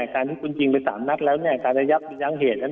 การที่คุณยิงไป๓นัทแล้วการใหญ่ยักษ์แจ้งเงิน